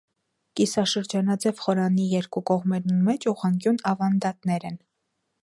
Կիսաշրջանաձեւ խորանի երկու կողմերուն մէջ ուղղանկիւն աւանդատներ են։